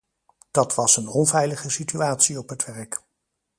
Dat was een onveilige situatie op het werk.